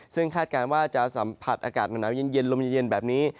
ซึ่งคาดการณ์ว่าจะสัมผัสอากาศหนาวเย็นลมเย็นแบบนี้